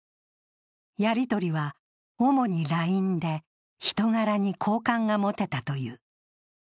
やりとりは主にＬＩＮＥで人柄に好感が持てたという。